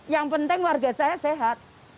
yang penting warga saya sehat